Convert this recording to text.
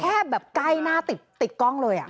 แบบใกล้หน้าติดกล้องเลย